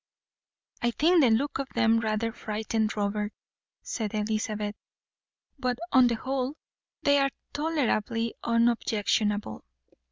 "I think the look of them rather frightened Robert," said Elizabeth; "but, on the whole, they are tolerably unobjectionable.